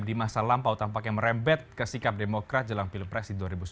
di masa lampau tampaknya merembet ke sikap demokrat jelang pilpres di dua ribu sembilan belas